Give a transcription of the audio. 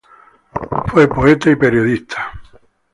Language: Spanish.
Fue poeta, y periodista.